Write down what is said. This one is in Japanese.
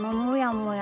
もや！